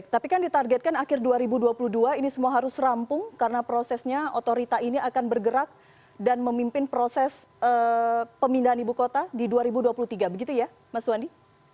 tapi kan ditargetkan akhir dua ribu dua puluh dua ini semua harus rampung karena prosesnya otorita ini akan bergerak dan memimpin proses pemindahan ibu kota di dua ribu dua puluh tiga begitu ya mas wandi